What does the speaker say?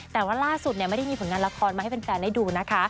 แต่ว่าล่าสุดไม่ได้มีผลงานละครมาให้แฟนได้ดูนะคะ